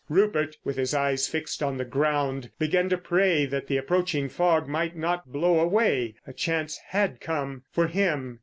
Rupert, with his eyes fixed on the ground, began to pray that the approaching fog might not blow away. A chance had come—for him.